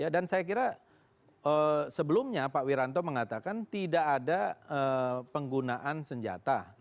dan saya kira sebelumnya pak wiranto mengatakan tidak ada penggunaan senjata